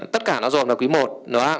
tất cả nó rồn rập là quý một